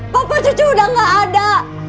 papa cucu udah gak ada